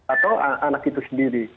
atau anak itu sendiri